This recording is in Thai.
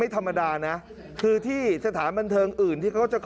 ธรรมดานะคือที่สถานบันเทิงอื่น